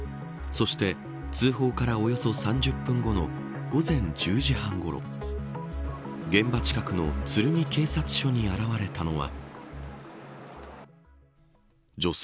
そして通報からおよそ３０分後の午前１０時半ごろ現場近くの鶴見警察署に現れたのは。